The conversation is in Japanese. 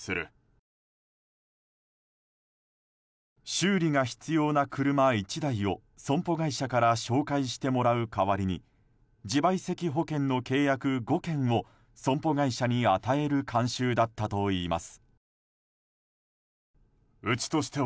修理が必要な車１台を損保会社から紹介してもらう代わりに自賠責保険の契約５件を損保会社に与える慣習だったといいます。